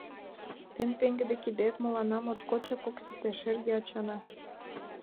Тыйын пеҥгыде кидет мыланна моткочак ок сите, шерге ачана!»